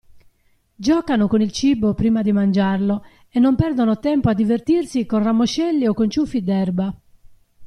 Giocano con il cibo prima di mangiarlo e non perdono tempo a divertirsi con ramoscelli o con ciuffi d'erba.